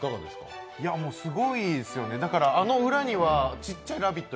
すごいですよね、あの裏にはちっちゃい「ラヴィット！」